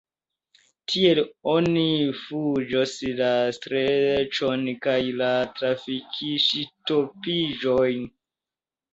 Tiel oni fuĝos la streĉon kaj la trafikŝtopiĝojn!